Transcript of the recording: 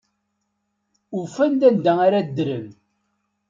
Ufan-d anda ara ddren.